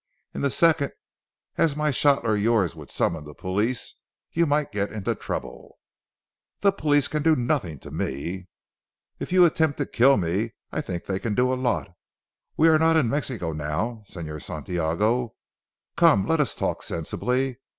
In the second as my shot or yours would summon the police, you might get into trouble." "The police can do nothing to me." "If you attempt to kill me I think they can do a lot. We are not in Mexico now, Señor Santiago. Come, let us talk sensibly.